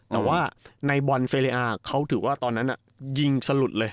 แต่ว่าในบอลเซเลอาเขาถือว่าตอนนั้นยิงสลุดเลย